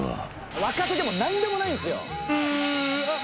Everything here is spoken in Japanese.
若手でも何でもないんですよ。